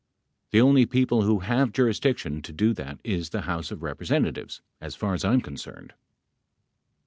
The only people who have jurisdiction to do that is the House of Representa tives, as far as I'm concerned.